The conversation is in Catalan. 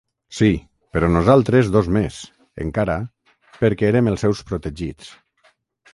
Sí, però nosaltres dos més, encara, perquè érem els seus protegits.